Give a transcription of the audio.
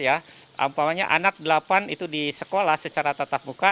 anggapnya anak delapan di sekolah secara tatap buka